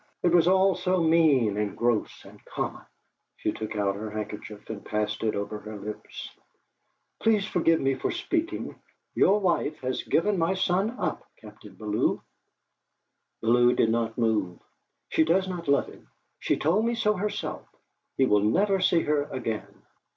It was all so mean and gross and common! She took out her handkerchief and passed it over her lips. "Please forgive me for speaking. Your wife has given my son up, Captain Bellew!" Bellew did not move. "She does not love him; she told me so herself! He will never see her again!"